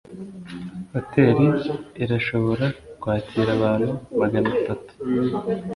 hoteri irashobora kwakira abantu magana atatu